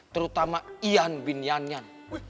terutama ian bin yanyan